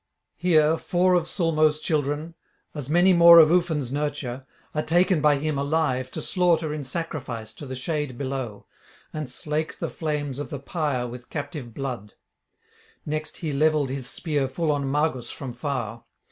Here four of Sulmo's children, as many more of Ufens' nurture, are taken by him alive to slaughter in sacrifice to the shade below, and slake the flames of the pyre with captive blood. Next he levelled his spear full on Magus from far.